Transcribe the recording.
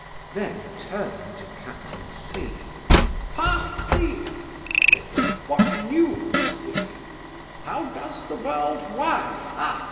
Then, turning to captain C , 'Ha, C ! (said he) what news, C ? How does the world wag? ha!